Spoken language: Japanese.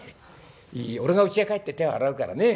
いい俺がうちへ帰って手を洗うからねえ！